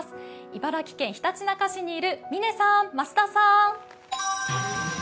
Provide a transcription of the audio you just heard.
茨城県ひたちなか市にいる嶺さん、増田さん。